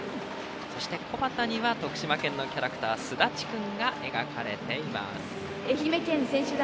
そして、小旗には徳島県のキャラクターすだちくんが描かれています。